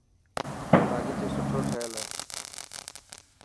باغيچو سٺو ٺهيل هي.